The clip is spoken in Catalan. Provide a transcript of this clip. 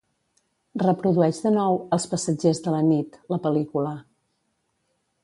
Reprodueix de nou "Els passatgers de la nit", la pel·lícula.